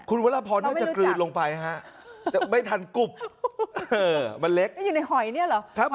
คุณวรพรน่าจะกลืนลงไปฮะจะไม่ทันกรุบมันเล็กอยู่ในหอยเนี่ยเหรอครับ